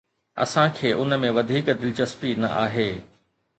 اسان کي ان ۾ وڌيڪ دلچسپي نه آهي.